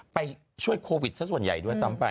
ไปช่วยโควิดซะส่วนใหญ่ด้วยซ้ำไป